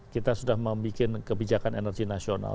kita sudah membuat kebijakan energi nasional